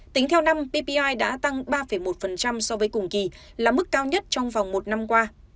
tính theo năm ppi đã tăng ba một so với cùng kỳ là mức cao nhất trong vòng một năm qua